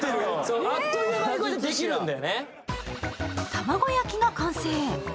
玉子焼きが完成。